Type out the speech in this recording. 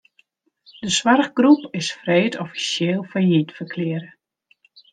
De soarchgroep is freed offisjeel fallyt ferklearre.